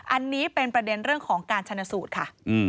อันนี้เป็นประเด็นเรื่องของการชนะสูตรค่ะ